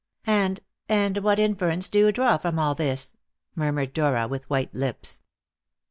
"And and what inference do you draw from all this?" murmured Dora, with white lips.